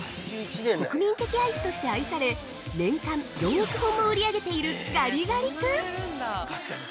国民的アイスとして愛され、年間４億本も売り上げている「ガリガリ君」